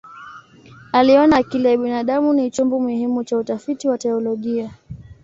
Aliona akili ya binadamu ni chombo muhimu cha utafiti wa teolojia.